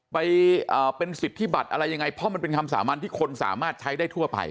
ไปเป็นสิทธิบัตรอะไรยังไงเพราะมันเป็นคำสามัญที่คนสามารถใช้ได้ทั่วไป